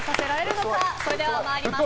それでは参ります。